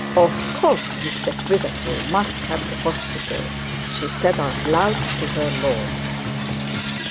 'Of course Mr Quiverful must have the hospital,' she said out loud to her lord.